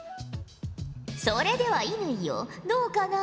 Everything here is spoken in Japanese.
それでは乾よどうかな？